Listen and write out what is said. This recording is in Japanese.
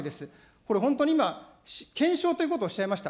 これ、本当に今、検証ということをおっしゃいました。